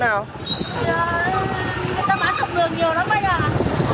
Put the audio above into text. người ta bán đồng đường nhiều lắm bây giờ